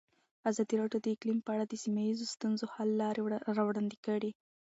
ازادي راډیو د اقلیم په اړه د سیمه ییزو ستونزو حل لارې راوړاندې کړې.